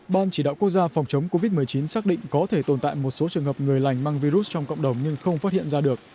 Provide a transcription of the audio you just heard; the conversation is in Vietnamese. ban chỉ đạo quốc gia phòng chống covid một mươi chín xác định có thể tồn tại một số trường hợp người lành mang virus trong cộng đồng nhưng không phát hiện ra được